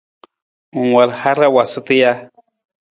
Ng wal hara waasata taa ja?